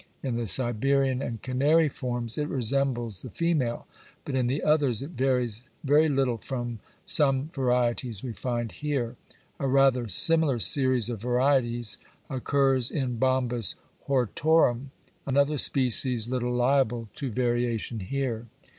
In the Siberian and Canary forms it resembles the female, but in the others it varies very little from some varieties we find here. A rather similar series of varieties occurs in Bombus hortorum, another species little liable to variation here.